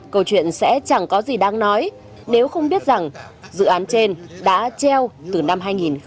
câu chuyện sẽ chẳng có gì đáng nói nếu không biết rằng dự án trên đã treo từ năm hai nghìn một mươi